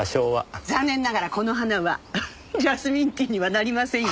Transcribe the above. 残念ながらこの花はジャスミンティーにはなりませんよ！